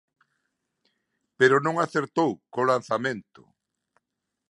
Pero non acertou co lanzamento.